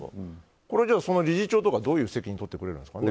じゃあ、理事長とかはどういう責任を取ってくれるんですかね？